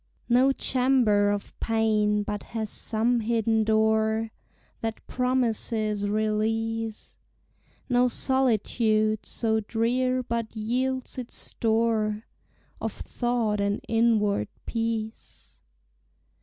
No chamber of pain but has some hidden door That promises release; No solitude so drear but yields its store Of thought and inward peace.